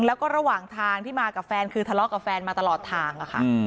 แล้วก็ระหว่างทางที่มากับแฟนคือทะเลาะกับแฟนมาตลอดทางค่ะ